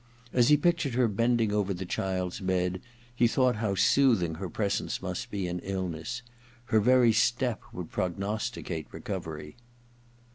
As he pictured her bending over the child's bed he thought how soothing her presence must be in illness : her very step would prognosticate recovery.